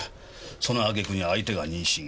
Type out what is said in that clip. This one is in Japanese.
その揚げ句に相手が妊娠。